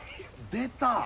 出た。